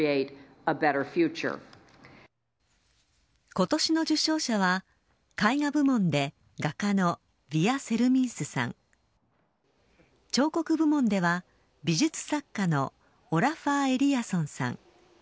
今年の受賞者は絵画部門で画家のヴィヤ・セルミンスさん彫刻部門では美術作家のオラファー・エリアソンさん